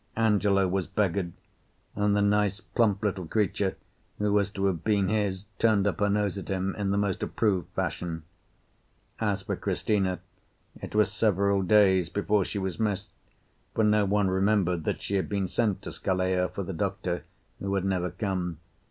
Angelo was beggared, and the nice plump little creature who was to have been his turned up her nose at him in the most approved fashion. As for Cristina, it was several days before she was missed, for no one remembered that she had been sent to Scalea for the doctor, who had never come.